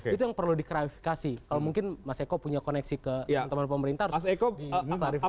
itu yang perlu diklarifikasi kalau mungkin mas eko punya koneksi ke teman teman pemerintah harus diklarifikasi